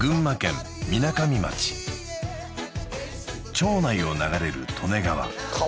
町内を流れる利根川川！？